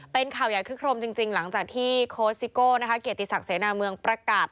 เป็นข่าวใหญ่คลึกโครมจริงหลังจากที่โค้ชซิโก้เกียรติศักดิเสนาเมืองประกาศ